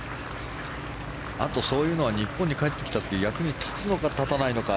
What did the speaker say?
あと、そういうのは日本に帰ってきた時に役に立つのか、立たないのか。